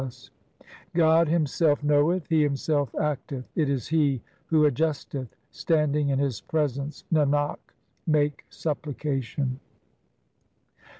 332 THE SIKH RELIGION God Himself knoweth, He Himself acteth ; it is He who adjusteth. Standing in His presence, Nanak, make supplication.